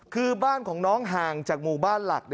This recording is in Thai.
คือบ้านของน้องห่างจากหมู่บ้านหลัก